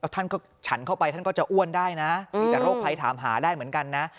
ท่านก็ฉันเข้าไปท่านก็จะอ้วนได้นะมีแต่โรคภัยถามหาได้เหมือนกันนะ